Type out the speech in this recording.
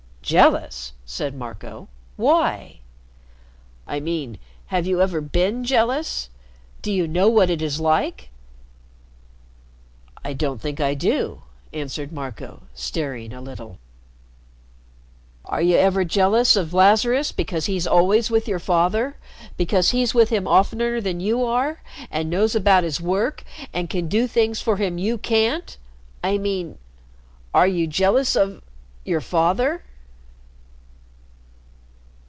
"Jealous," said Marco; "why?" "I mean, have you ever been jealous? Do you know what it is like?" "I don't think I do," answered Marco, staring a little. "Are you ever jealous of Lazarus because he's always with your father because he's with him oftener than you are and knows about his work and can do things for him you can't? I mean, are you jealous of your father?"